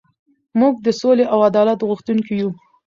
موږ د سولې او عدالت غوښتونکي یو.